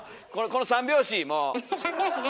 この三拍子！